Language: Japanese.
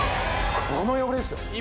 この汚れですよ